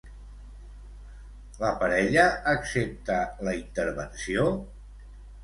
La parella accepta la intervenció?